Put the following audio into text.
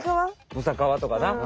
ブサカワとかな。